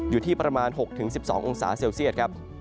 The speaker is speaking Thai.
อยู่ที่ประมาณ๖๑๒องศาเซลเซียตครับ